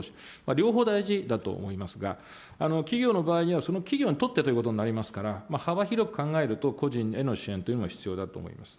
両方大事だと思いますが、企業の場合にはその企業にとってということになりますから、幅広く考えると、個人への支援というのは必要だと思います。